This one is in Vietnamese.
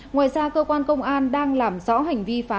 ngoài ra cơ quan công an đang làm rõ hành vi phá